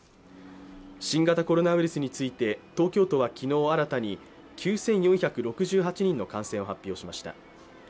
新型コロナウイルスについて東京都は、昨日新たに９４６８人の感染を発表しました。